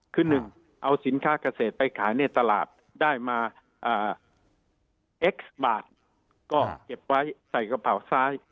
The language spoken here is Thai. คือ๑เอาสินค้าเกษตรไปขายในตลาดได้มาเอ็กซ์บาทก็เก็บไว้ใส่กระเป๋าซ้าย